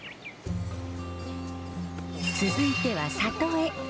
続いては里へ。